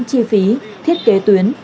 chi phí thiết kế tuyến